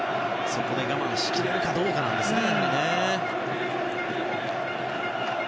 そこで我慢をしきれるかどうかなんですね。